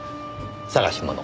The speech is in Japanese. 捜し物。